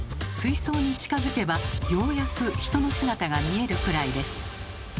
水槽に近づけばようやく人の姿が見えるくらいです。